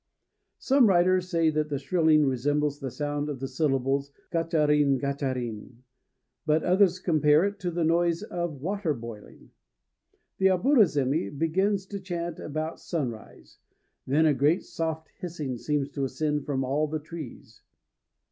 Some writers say that the shrilling resembles the sound of the syllables gacharin gacharin; but others compare it to the noise of water boiling. The aburazémi begins to chant about sunrise; then a great soft hissing seems to ascend from all the trees.